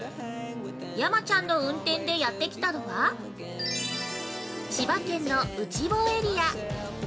山ちゃんの運転でやってきたのは、千葉県の内房エリア。